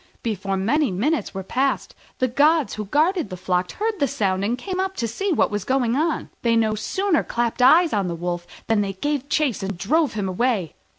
Before many minutes were passed the gods who guarded the flock heard the sound and came up to see what was going on. They no sooner clapped eyes on the Wolf than they gave chase and drove him away.